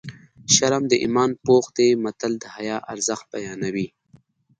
شرم د ایمان پوښ دی متل د حیا ارزښت بیانوي